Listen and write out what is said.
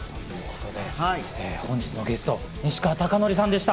本日のゲスト、西川貴教さんでした。